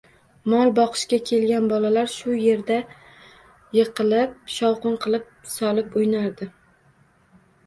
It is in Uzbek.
Mol boqishga kelgan bolalar shu yerda yig‘ilib shovqin qilib solib o‘ynardik.